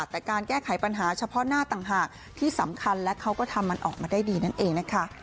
แต่การแก้ไขปัญหาเฉพาะหน้าต่างหากที่สำคัญและเขาก็ทำมันออกมาได้ดีนั่นเองนะคะ